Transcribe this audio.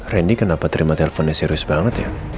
randy kenapa terima teleponnya serius banget ya